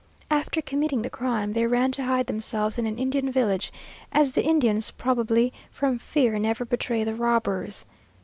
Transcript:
After committing the crime, they ran to hide themselves in an Indian village, as the Indians, probably from fear, never betray the robbers.